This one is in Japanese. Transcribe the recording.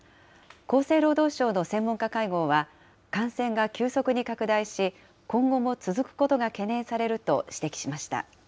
厚生労働省の専門家会合は、感染が急速に拡大し、今後も続くことが懸念されると指摘しました。